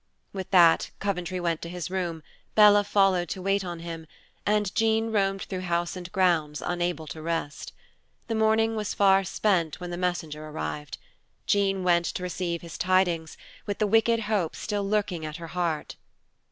With that Coventry went to his room, Bella followed to wait on him, and Jean roamed through house and grounds, unable to rest. The morning was far spent when the messenger arrived. Jean went to receive his tidings, with the wicked hope still lurking at her heart.